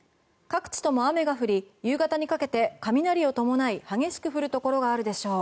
各地とも雨が降り夕方にかけて雷を伴い激しく降るところがあるでしょう。